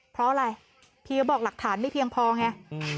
เพราะอะไรพี่ก็บอกหลักฐานไม่เพียงพอไง